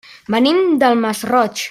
Venim del Masroig.